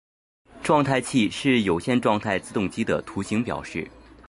状态器是有限状态自动机的图形表示。